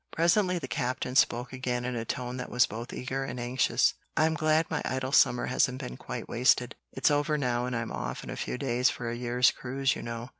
Presently the Captain spoke again in a tone that was both eager and anxious, "I'm glad my idle summer hasn't been quite wasted. It's over now, and I'm off in a few days for a year's cruise, you know."